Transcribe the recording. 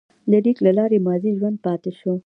د لیک له لارې ماضي ژوندی پاتې شو.